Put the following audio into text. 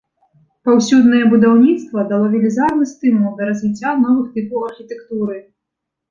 Паўсюднае будаўніцтва дало велізарны стымул да развіцця новых тыпаў архітэктуры.